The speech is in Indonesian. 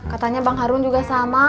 katanya bang harun juga sama